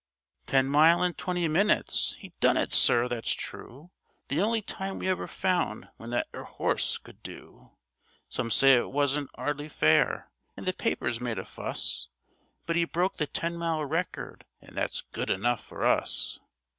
Ten mile in twenty minutes! 'E done it, sir. That's true. The only time we ever found what that 'ere 'orse could do. Some say it wasn't 'ardly fair, and the papers made a fuss, But 'e broke the ten mile record, and that's good enough for us.